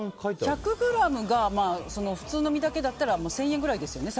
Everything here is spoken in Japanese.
１００ｇが普通の身だけだったら１０００円くらいですよね